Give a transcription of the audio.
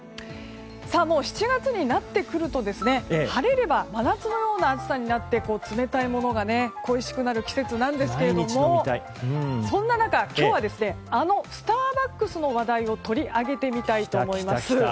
もう７月になってくると晴れれば真夏のような暑さになって冷たいものが恋しくなる季節なんですがそんな中、今日はあのスターバックスの話題を取り上げてみたいと思います。